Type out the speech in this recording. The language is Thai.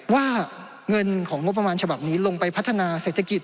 ว่าเงินของงบประมาณฉบับนี้ลงไปพัฒนาเศรษฐกิจ